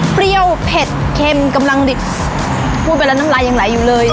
เปรี้ยวเผ็ดเค็มกำลังดิบพูดไปแล้วน้ำลายยังไหลอยู่เลย